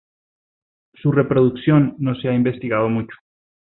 Su reproducción no se ha investigado mucho.